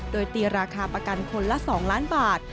โดยตีราคาประกันคนละ๒ล้านบาท